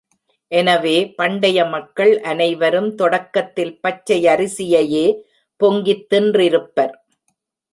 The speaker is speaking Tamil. எனவே, பண்டைய மக்கள் அனைவரும் தொடக்கத்தில் பச்சையரிசியையே பொங்கித் தின்றிருப்பர்.